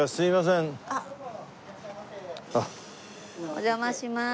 お邪魔します。